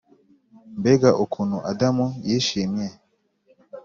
mbega ukuntu adamu yishimye!